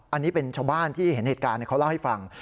อันนี้เป็นชาวบ้านที่เห็นเหตุการณ์เขาเล่าให้ฟัง